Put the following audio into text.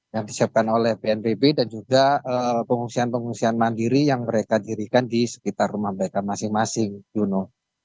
yang disiapkan oleh bnpb dan juga pengungsian pengungsian mandiri yang mereka dirikan di sekitar rumah mereka masing masing yuno